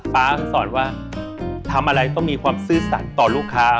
ฟ้าสอนว่าทำอะไรต้องมีความซื่อสัตว์ต่อลูกค้า